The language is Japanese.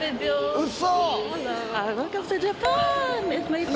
うそ―。